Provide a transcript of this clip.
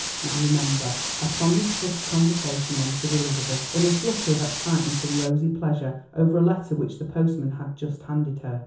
Now remember!" Upon this hushed conversation entered Elizabeth in a flutter of excitement and rosy pleasure over a letter which the postman had just handed her.